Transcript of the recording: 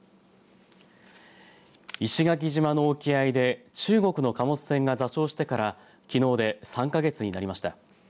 石垣島の沖合で中国の貨物船が座礁してからきのうで３か月になりました。